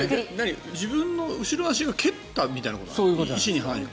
自分の後ろ足が蹴ったみたいなことなの？